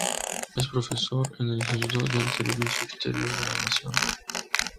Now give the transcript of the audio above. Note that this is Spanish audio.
Es profesor en el Instituto del Servicio Exterior de la Nación.